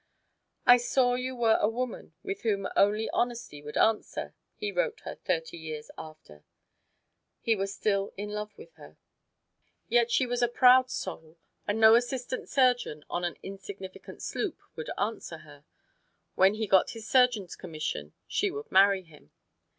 "I saw you were a woman with whom only honesty would answer," he wrote her thirty years after. He was still in love with her. Yet she was a proud soul, and no assistant surgeon on an insignificant sloop would answer her when he got his surgeon's commission she would marry him.